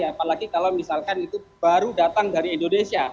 apalagi kalau misalkan itu baru datang dari indonesia